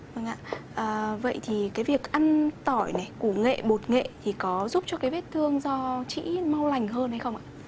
vâng ạ vậy thì cái việc ăn tỏi này củ nghệ bột nghệ thì có giúp cho cái vết thương do chị mau lành hơn hay không ạ